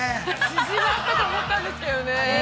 ◆縮まったと思ったんですけどね。